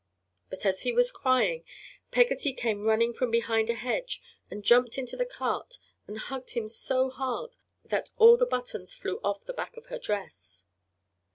But as he was crying, Peggotty came running from behind a hedge and jumped into the cart and hugged him so hard that all the buttons flew off the back of her dress.